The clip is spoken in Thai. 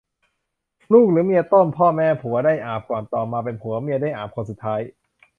ลูกหรือเมียต้ม พ่อแม่ผัวได้อาบก่อน ต่อมาเป็นผัว เมียได้อาบคนสุดท้าย